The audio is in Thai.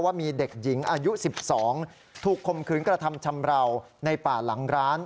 ว่ามีเด็กหญิงอายุ๑๒ถูกคมคืนกระทำชำราวในป่าหลังร้าน